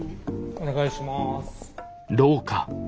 お願いします。